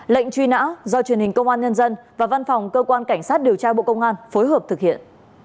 lệnh truy nã do truyền hình công an nhân dân và văn phòng cơ quan cảnh sát điều tra bộ công an phối hợp thực hiện